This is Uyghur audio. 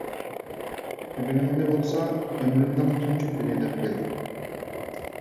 بۈگۈنۈڭنى بولسا ئۆمرۈمنىڭ تۇنجى كۈنى دەپ بىل.